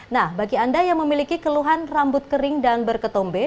nah bagi anda yang memiliki keluhan rambut kering dan berketombe